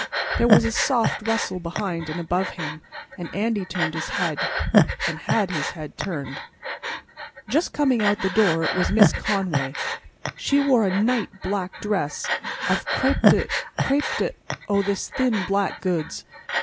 There was a soft rustle behind and above him, and Andy turned his head—and had his head turned. Just coming out the door was Miss Conway. She wore a night black dress of crêpe de—crêpe de—oh, this thin black goods.